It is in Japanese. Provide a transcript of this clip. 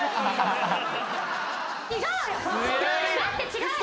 違うよ。